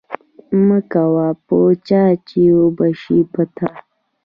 مکوه په چا چی اوبشی په تا